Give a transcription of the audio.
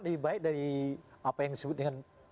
lebih baik dari apa yang disebut dengan